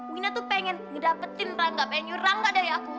wina tuh pengen ngedapetin rangga penyu rangga dari aku